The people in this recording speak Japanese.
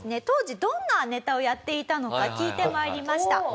当時どんなネタをやっていたのか聞いて参りました。